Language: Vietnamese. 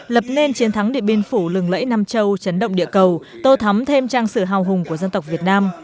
lập nên chiến thắng điện biên phủ lừng lẫy nam châu chấn động địa cầu tô thắm thêm trang sử hào hùng của dân tộc việt nam